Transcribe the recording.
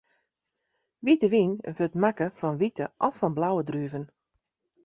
Wite wyn wurdt makke fan wite of fan blauwe druven.